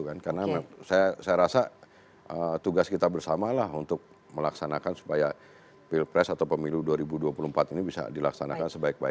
karena saya rasa tugas kita bersamalah untuk melaksanakan supaya pilpres atau pemilu dua ribu dua puluh empat ini bisa dilaksanakan sebaik baik